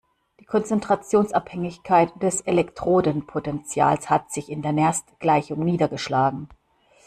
Die Konzentrationsabhängigkeit des Elektrodenpotentials hat sich in der Nernst-Gleichung niedergeschlagen.